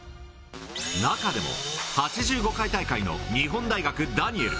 中でも、８５回大会の日本大学、ダニエル。